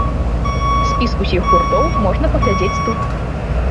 Спіс усіх гуртоў можна паглядзець тут.